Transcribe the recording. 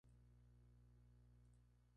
Trasandino avanza a la semifinal.